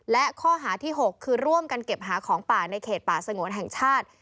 และข้อหาที่๖คือร่วมกันเก็บหาของป่าในเขตป่าสงวนแห่งชาติ